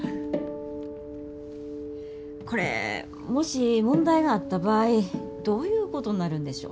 これもし問題があった場合どういうことになるんでしょう？